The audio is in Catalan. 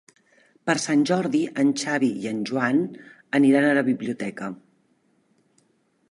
Per Sant Jordi en Xavi i en Joan aniran a la biblioteca.